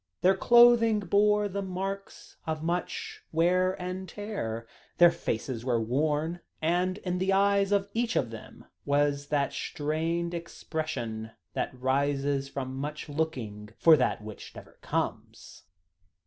Their clothing bore the marks of much wear and tear; their faces were worn, and in the eyes of each of them was that strained expression, that rises from much looking for that which never comes.